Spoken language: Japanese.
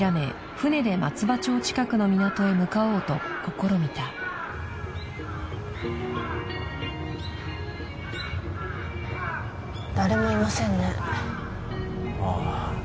船で松葉町近くの港へ向かおうと試みた誰もいませんねああ